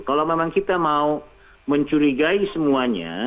kalau memang kita mau mencurigai semuanya